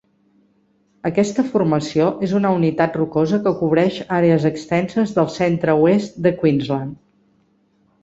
Aquesta formació és una unitat rocosa que cobreix àrees extenses del centre-oest de Queensland.